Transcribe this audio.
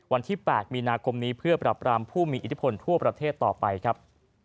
วันที่๘มีนาคมนี้เพื่อปรับรามผู้มีอิทธิพลทั่วประเทศต่อไปครับ